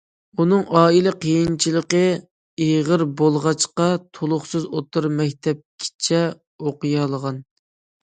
ئۇنىڭ ئائىلە قىيىنچىلىقى ئېغىر بولغاچقا، تولۇقسىز ئوتتۇرا مەكتەپكىچە ئوقۇيالىغان.